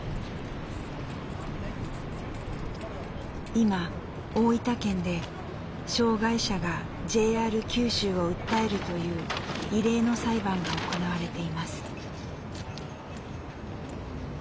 今大分県で障害者がＪＲ九州を訴えるという異例の裁判が行われています。